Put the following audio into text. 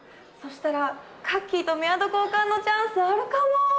そしたらカッキーとメアド交換のチャンスあるかも！